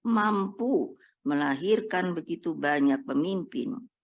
mampu melahirkan begitu banyak pemimpin